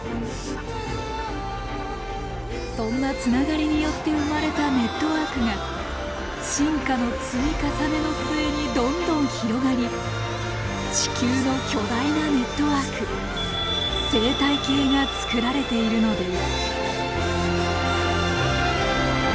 そんなつながりによって生まれたネットワークが進化の積み重ねの末にどんどん広がり地球の巨大なネットワーク生態系が作られているのです。